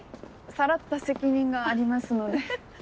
さらった責任がありますので。